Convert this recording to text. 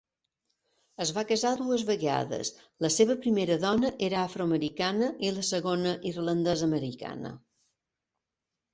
Es va casar dues vegades: la seva primera dona era afroamericana i la segona, irlandesa-americana.